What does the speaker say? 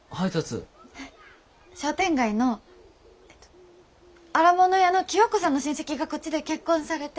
商店街のえっと荒物屋の清子さんの親戚がこっちで結婚されて。